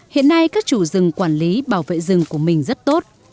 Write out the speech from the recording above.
hiện nay các chủ rừng quản lý bảo vệ rừng của mình rất tốt